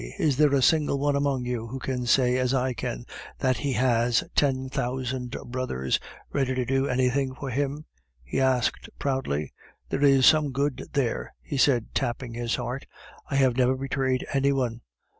Is there a single one among you that can say, as I can, that he has ten thousand brothers ready to do anything for him?" he asked proudly. "There is some good there," he said tapping his heart; "I have never betrayed any one!